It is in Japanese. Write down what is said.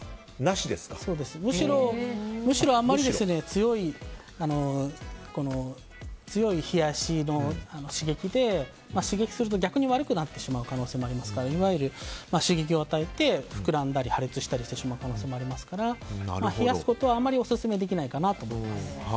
むしろあまり強い冷やしの刺激で刺激すると逆に悪くなってしまう場合もありますからいわゆる刺激を与えて膨らんだり破裂したりしてしまう可能性もありますから冷やすことはあまりお勧めできないかと思います。